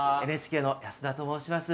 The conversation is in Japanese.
ＮＨＫの安田と申します。